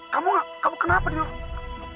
kamu kamu kenapa di rumah sakit